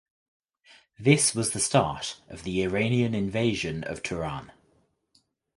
This was the start of the Iranian invasion of Turan.